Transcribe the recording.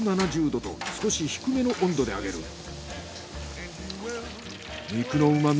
℃と少し低めの温度で揚げる。